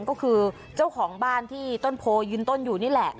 ก็คือเจ้าของบ้านที่ต้นโพยืนต้นอยู่นี่แหละ